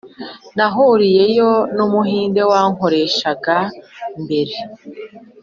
Nahuriyeyo numuhinde wankoreshaga mbere